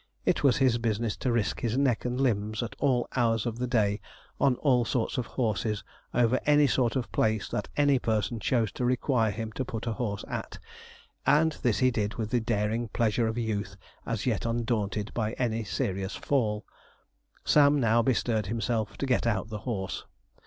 It was his business to risk his neck and limbs at all hours of the day, on all sorts of horses, over any sort of place that any person chose to require him to put a horse at, and this he did with the daring pleasure of youth as yet undaunted by any serious fall. Sam now bestirred himself to get out the horse.